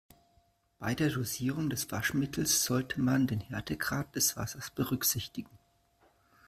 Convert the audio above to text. Bei der Dosierung des Waschmittels sollte man den Härtegrad des Wassers berücksichtigen.